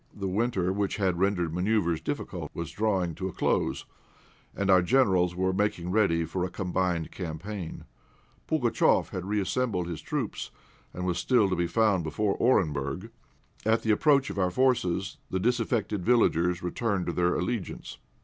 The winter, which had rendered manoeuvres difficult, was drawing to a close, and our Generals were making ready for a combined campaign. Pugatchéf had reassembled his troops, and was still to be found before Orenburg. At the approach of our forces the disaffected villages returned to their allegiance.